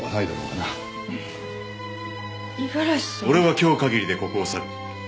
俺は今日かぎりでここを去る。